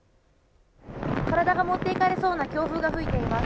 体が持っていかれそうなくらいの強風が吹いています。